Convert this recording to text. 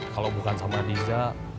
kalau bukan sama diza